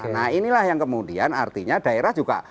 nah inilah yang kemudian artinya daerah juga